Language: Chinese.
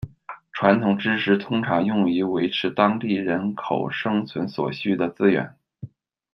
传统知识通常用于维持当地人口生存所需的资源。